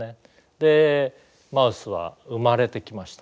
でマウスは生まれてきました。